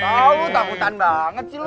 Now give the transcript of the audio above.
tau takutan banget sih lo